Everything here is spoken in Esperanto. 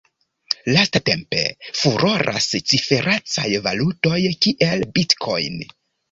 Lastatempe furoras ciferecaj valutoj kiel Bitcoin.